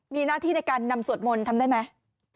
มีหน้าที่ในการนำสวดมนต์ทำได้ไหม